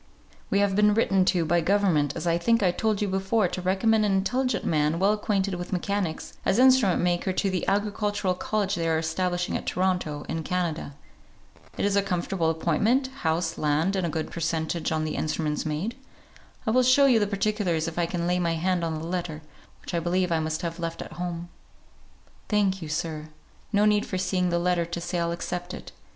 "We have been written to by government, as I think I told you before, to recommend an intelligent man, well acquainted with mechanics, as instrument maker to the Agricultural College they are establishing at Toronto, in Canada. It is a comfortable appointment, house, land, and a good per centage on the instruments made. I will show you the particulars if I can lay my hand on the letter, which I believe I must have left at home." "Thank you, sir. No need for seeing the letter to say I'll accept it.